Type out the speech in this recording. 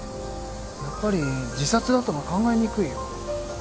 やっぱり自殺だとは考えにくいよ。